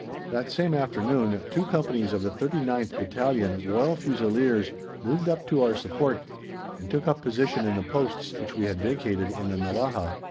That same afternoon, two companies of the 39th Battalion Royal Fusiliers moved up to our support and took up position in the posts which we had vacated in the Mellahah.